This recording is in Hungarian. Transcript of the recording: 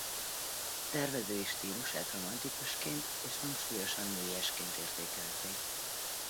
Tervezői stílusát romantikusként és hangsúlyosan nőiesként értékelték.